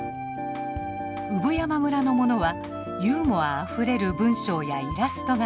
産山村のものはユーモアあふれる文章やイラストが人気。